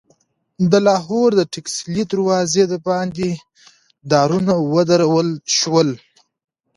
د لاهور د ټکسلي دروازې دباندې دارونه ودرول شول.